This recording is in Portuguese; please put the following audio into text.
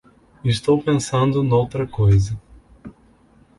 estou pensando noutra coisa